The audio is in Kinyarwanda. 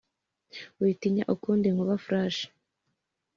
witinya ukundi inkuba-flash,